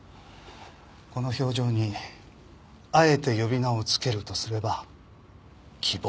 この表情にあえて呼び名をつけるとすれば希望。